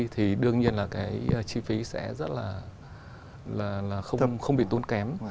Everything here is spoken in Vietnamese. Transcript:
thì đương nhiên là cái chi phí sẽ rất là không bị tốn kém